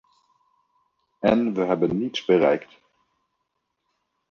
En we hebben niets bereikt.